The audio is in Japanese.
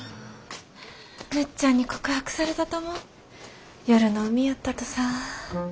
むっちゃんに告白されたとも夜の海やったとさ。